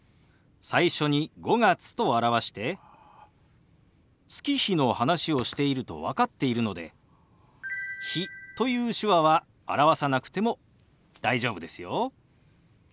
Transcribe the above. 最初に「５月」と表して月日の話をしていると分かっているので「日」という手話は表さなくても大丈夫ですよ。